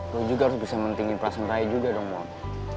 lo juga harus bisa mentingin perasaan ray juga dong mon